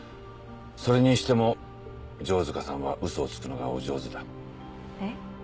それにしても城塚さんはウソをつくのがお上手だ。え？